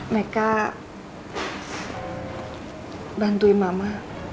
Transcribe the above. meka bantuin mama